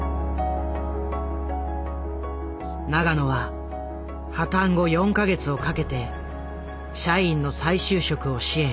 永野は破たん後４か月をかけて社員の再就職を支援。